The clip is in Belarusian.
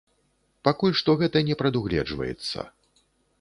Пакуль што гэта не прадугледжваецца.